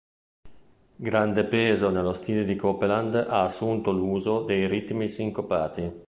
Grande peso nello stile di Copeland ha assunto l'uso dei ritmi sincopati.